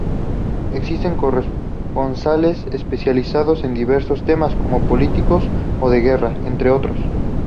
Existen corresponsales especializados en diversos temas, como políticos o de guerra, entre otros.